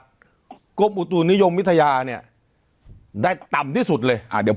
หากรัฐกรมอุตุนิยมวิทยาเนี่ยได้ต่ำที่สุดเลย